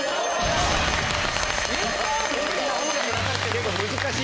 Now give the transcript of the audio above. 結構難しい！